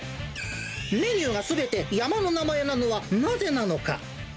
メニューがすべて山の名前なのはなぜなのか。